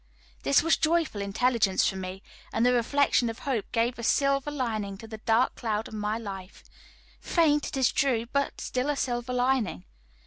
This was joyful intelligence for me, and the reflection of hope gave a silver lining to the dark cloud of my life faint, it is true, but still a silver lining.